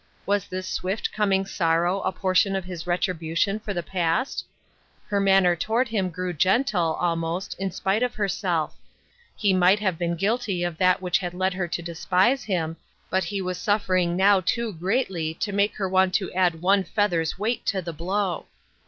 Was this swift coming sorrow a portion of his retribution for the past ? Her manner toward him grew gentle, al BELATED WORK. 24 1 most, in spite of herself ; he might have been guilty of that which had led her to despise him, but he was suffering now too greatly to make her want to add one feather's weight to the blow.